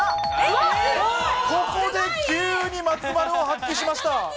ここで急に松丸を発揮しました。